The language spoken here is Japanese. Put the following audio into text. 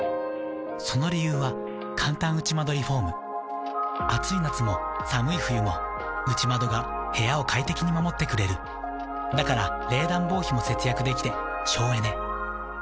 その理由はかんたん内窓リフォーム暑い夏も寒い冬も内窓が部屋を快適に守ってくれるだから冷暖房費も節約できて省エネ「内窓プラマードＵ」ＹＫＫＡＰ